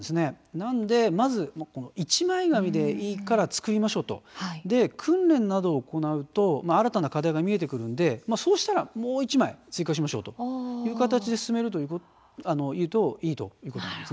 なのでまず一枚紙でいいから作りましょうと訓練などを行うと新たな課題が見えてくるのでそうしたらもう１枚追加しましょうという形で進めるといいということなんです。